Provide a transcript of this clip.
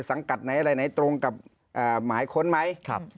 สังกัดไหนอะไรไหนตรงกับหมายค้นไหม